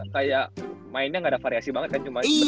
kayak mainnya gak ada variasi banget kan cuma